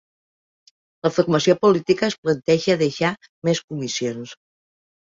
La formació política es planteja deixar més comissions